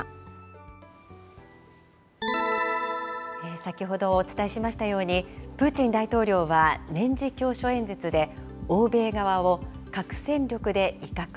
先ほどお伝えしましたように、プーチン大統領は年次教書演説で、欧米側を核戦力で威嚇。